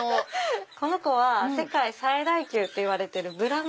この子は世界最大級といわれてるブラマ。